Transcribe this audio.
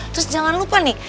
terus jangan lupa nih